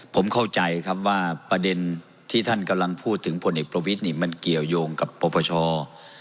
ผมเข้าใจครับว่าประเด็นที่ท่านกำลังพูดถึงพลเอกประวิทย์นี่มันเกี่ยวยงกับปปช